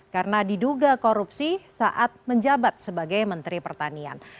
karena diduga korupsi saat menjabat sebagai menteri pertanian